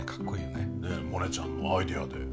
ねえモネちゃんのアイデアで。